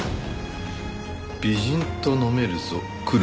「美人と飲めるぞー来る？